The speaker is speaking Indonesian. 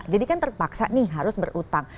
jadi kan terpaksa nih harus berutang